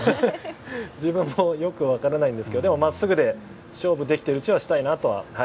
自分もよく分からないんですけどでも、常にまっすぐで勝負できているうちはしたいなと。